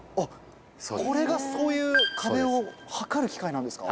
これがそういう壁を測る機械なんですか。